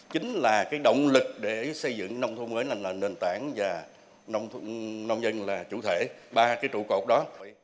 chính là cái động lực để xây dựng nông thôn mới là nền tảng và nông dân là chủ thể ba cái trụ cột đó